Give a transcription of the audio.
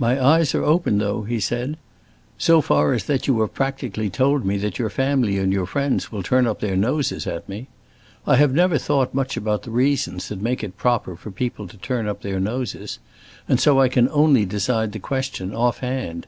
"My eyes are open, though," he said, "so far as that you have practically told me that your family and your friends will turn up their noses at me. I have never thought much about the reasons that make it proper for people to turn up their noses, and so I can only decide the question off hand.